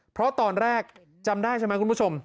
เพราะตอนแรกจำได้ใช่ไหมคุณผู้ชม